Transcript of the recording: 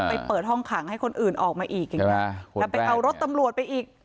ต้องไปเปิดห้องขังให้คนอื่นออกมาอีกแหละไปเอารถตำรวจไปอีก